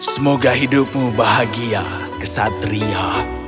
semoga hidupmu bahagia kesatria